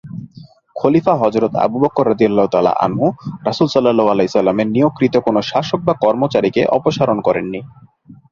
খলীফা হযরত Abu Bakr রা: রাসূল সা: এর নিয়োগকৃত কোন শাসক বা কর্মচারীকে অপসারণ করেননি।